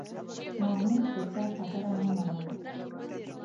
محمود د چا خبره نه منله.